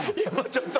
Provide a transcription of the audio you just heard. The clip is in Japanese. ちょっと。